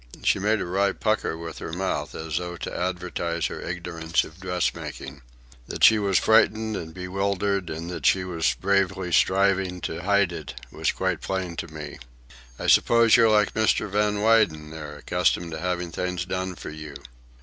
She made a wry pucker with her mouth, as though to advertise her ignorance of dressmaking. That she was frightened and bewildered, and that she was bravely striving to hide it, was quite plain to me. "I suppose you're like Mr. Van Weyden there, accustomed to having things done for you.